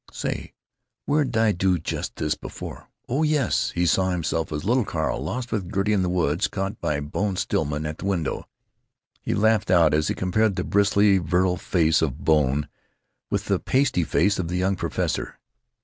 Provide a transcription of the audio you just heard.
Say! Where'd I do just this before? Oh yes!" He saw himself as little Carl, lost with Gertie in the woods, caught by Bone Stillman at the window. He laughed out as he compared the bristly virile face of Bone with the pasty face of the young professor.